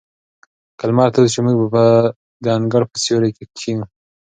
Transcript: که لمر تود شي، موږ به د انګړ په سیوري کې کښېنو.